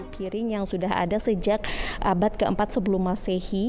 piring yang sudah ada sejak abad keempat sebelum masehi